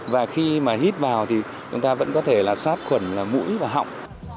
và khi mà hít vào thì chúng ta vẫn có thể là sát khuẩn là mũi và họng